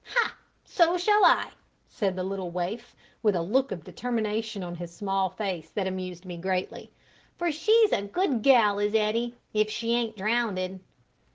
"Ha! so shall I," said the little waif, with a look of determination on his small face that amused me greatly, "for she's a good gal is Edie if she ain't drownded."